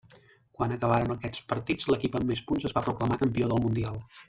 Quan acabaren aquests partits, l'equip amb més punts es va proclamar campió del Mundial.